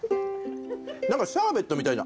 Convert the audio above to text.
シャーベットみたいな。